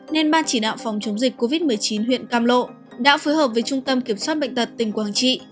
nên ban chỉ đạo phòng chống dịch covid một mươi chín huyện cam lộ đã phối hợp với trung tâm kiểm soát bệnh tật tỉnh quảng trị